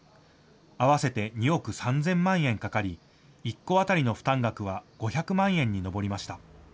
合わせて２億３０００万円かかり、１戸当たりの負担額は５００万円に上りました。